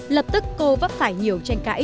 lập tức cô vấp phải nhiều tranh cãi